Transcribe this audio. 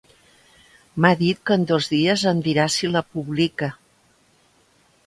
M'ha dit que en dos dies em dirà si la publica.